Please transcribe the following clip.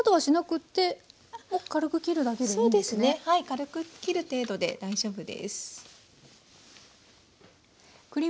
軽くきる程度で大丈夫です。